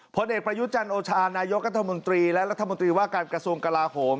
ผลเอกประยุจันทร์โอชานายกรัฐมนตรีและรัฐมนตรีว่าการกระทรวงกลาโหม